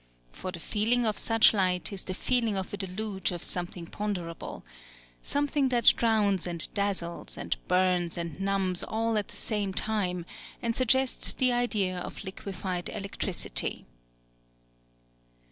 For the feeling of such light is the feeling of a deluge of something ponderable, something that drowns and dazzles and burns and numbs all at the same time, and suggests the idea of liquified electricity.